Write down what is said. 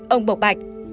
ông bộc bạch